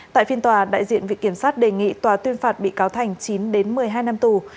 tại phiên tòa đại diện vị kiểm sát đề nghị tòa tuyên phạt bị cáo thành chín đến một mươi hai năm tù